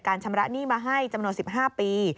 ชำระหนี้มาให้จำนวน๑๕ปี